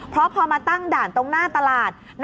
ก็ไม่มีอำนาจ